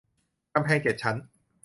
กำแพงเจ็ดชั้น